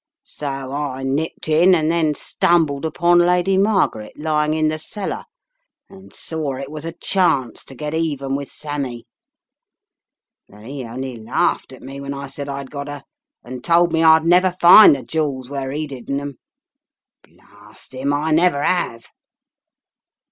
So I nipped in and then stumbled upon Lady Margaret, lying in the cellar, and saw it was a chance to get even with Sammy. But he only laughed at me when I said I'd got her and told me I'd never find the jewels where he'd hidden 'em. Blast 'im, I never have.